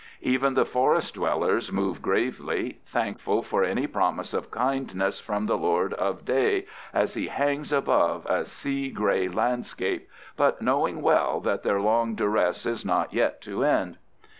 Even the forest dwellers move gravely, thankful for any promise of kindness from the lord of day as he hangs above a sea gray landscape, but knowing well that their long duress is not yet to end.